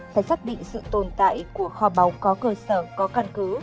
phải xác định sự tồn tại của kho báu có cơ sở có căn cứ